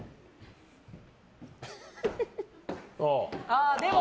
ああ、でも。